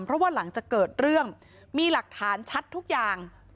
เพราะว่าหลังจากเกิดเรื่องมีหลักฐานชัดทุกอย่าง